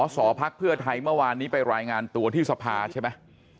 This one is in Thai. สอพักเพื่อไทยเมื่อวานนี้ไปรายงานตัวที่สภาใช่ไหม